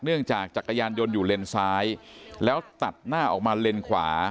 จากจักรยานยนต์อยู่เลนซ้ายแล้วตัดหน้าออกมาเลนขวา